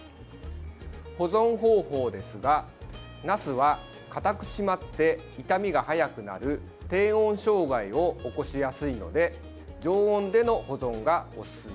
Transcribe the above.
保存方法ですがなすは、かたく締まって傷みが早くなる低温障害を起こしやすいので常温での保存がおすすめです。